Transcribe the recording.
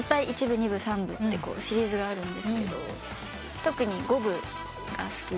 １部２部３部ってシリーズがあるんですけど特に５部が好きで。